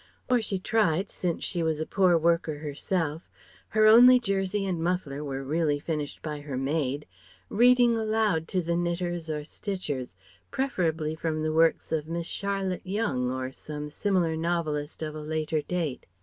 Or she tried, since she was a poor worker herself her only jersey and muffler were really finished by her maid reading aloud to the knitters or stitchers, preferably from the works of Miss Charlotte Yonge or some similar novelist of a later date.